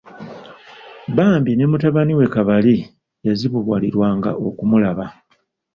Bambi ne mutabani we Kabali yazibuwalirwanga okumulaba.